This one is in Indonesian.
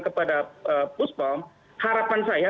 kepada puspon harapan saya